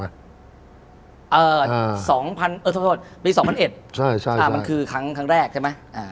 เอ่อปี๒๐๐๑มันคือครั้งแรกใช่ไหม